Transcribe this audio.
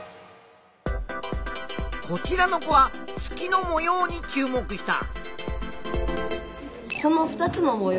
こちらの子は月の模様に注目した。